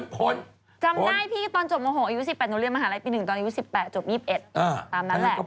จำได้พี่ตอนจบม๖อายุ๑๘หนูเรียนมหาลัยปี๑